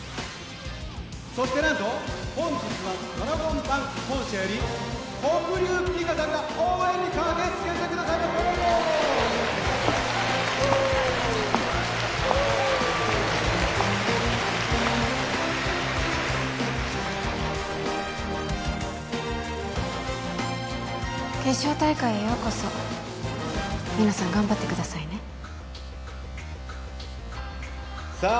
そして何と本日はドラゴンバンク本社より黒龍キリカさんが応援に駆けつけてくださいました決勝大会へようこそ皆さん頑張ってくださいねさあ